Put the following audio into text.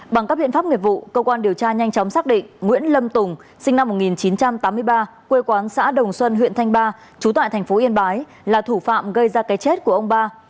bằng các biện pháp nghiệp vụ công an tỉnh phú thọ nhanh chóng xác định nguyễn lâm tùng sinh năm một nghìn chín trăm tám mươi ba quê quán xã đồng xuân huyện thanh ba trú tại thành phố yên bái là thủ phạm gây ra cái chết của ông ba